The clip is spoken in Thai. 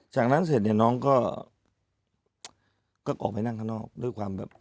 จากนั้นเสร็จเนี่ยน้องก็ออกไปนั่งข้างนอกด้วยความแบบ